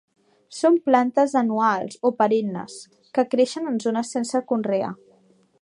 Són plantes anuals o perennes que creixen en zones sense conrear.